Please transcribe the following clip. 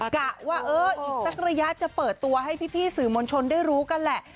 กะว่าเอออีกสักระยะจะเปิดตัวให้พี่สื่อมวลชนได้รู้กันแหละ